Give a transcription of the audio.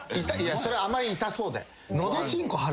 それあんまり痛そうで。